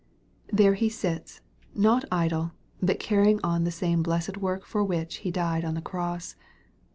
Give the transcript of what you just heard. There He sits, not idle, but carrying on the same blessed work for which He died on the cross.